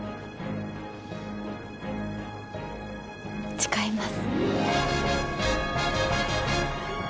誓います